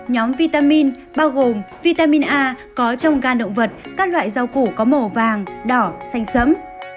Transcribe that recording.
nhóm vitamin bao gồm vitamin a có trong gan động vật các loại rau củ có màu vàng đỏ xanh sẫm